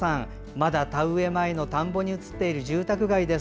まだ田植え前の田んぼに写っている住宅街です。